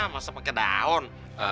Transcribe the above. masa pake daun